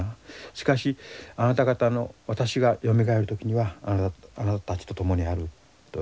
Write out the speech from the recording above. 「しかしあなた方の私がよみがえる時にはあなたたちと共にある」という。